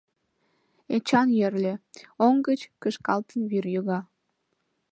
Эчан йӧрльӧ, оҥ гыч кышкалтын, вӱр йога...